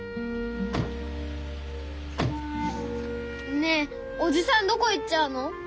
ねえおじさんどこ行っちゃうの？